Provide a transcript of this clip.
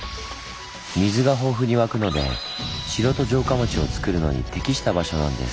水が豊富に湧くので城と城下町をつくるのに適した場所なんです。